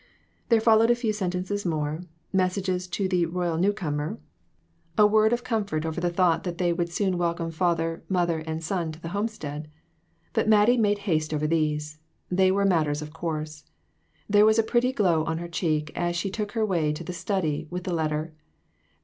There followed a few sentences more ; messages to the "royal new comer," a word of comfort INTUITIONS. 405 over the thought that they would soon welcome father, mother and son to the homestead ; but Mat tie made haste over these they were matters of course. There was a pretty glow on her cheek as she took her way to the study with the letter.